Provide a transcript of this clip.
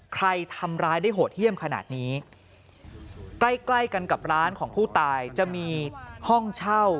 ใครทำร้ายได้โหดเยี่ยมขนาดนี้ใกล้ใกล้กันกับร้านของผู้ตายจะมีห้องเช่า